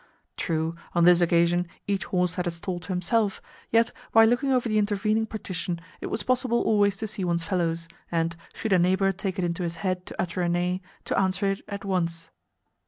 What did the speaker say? True, on this occasion each horse had a stall to himself; yet, by looking over the intervening partition, it was possible always to see one's fellows, and, should a neighbour take it into his head to utter a neigh, to answer it at once.